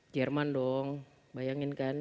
jerman dong bayangin kan